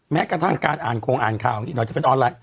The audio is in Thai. แม้กระทั่งการอ่านคงอ่านข่าวอีกหน่อยจะเป็นออนไลน